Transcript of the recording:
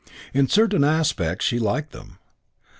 In certain aspects the liked them.